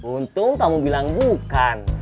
untung kamu bilang bukan